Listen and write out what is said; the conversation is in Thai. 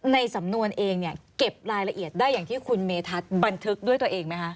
ในสำนวนเองเนี่ยเก็บรายละเอียดได้อย่างที่คุณเมธัศนบันทึกด้วยตัวเองไหมคะ